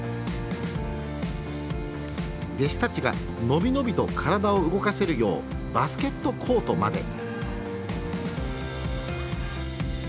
弟子たちが伸び伸びと体を動かせるようバスケットコートまで。